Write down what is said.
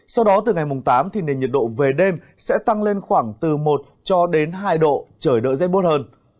sau đó từ ngày tám nền nhiệt độ về đêm sẽ tăng lên khoảng từ một hai độ trời đỡ rét bút hơn